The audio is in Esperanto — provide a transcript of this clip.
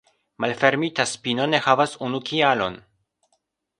Malfermita spino ne havas unu kialon.